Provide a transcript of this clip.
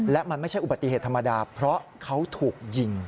และมันไม่ใช่อุบัติเหตุธรรมดาเพราะเขาถูกยิง